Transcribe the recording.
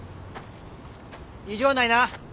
異常ないな。